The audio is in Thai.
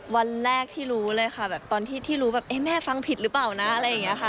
วันแรกที่รู้เลยค่ะแบบตอนที่รู้แบบเอ๊ะแม่ฟังผิดหรือเปล่านะอะไรอย่างนี้ค่ะ